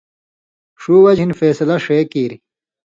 ݜُو وجہۡ ہِن فېصلہ ݜے کیریۡ